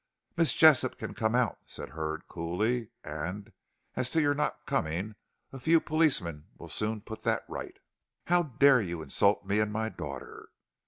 "Miss Jessop can come out," said Hurd, coolly, "and, as to your not coming, a few policemen will soon put that right." "How dare you insult me and my daughter?"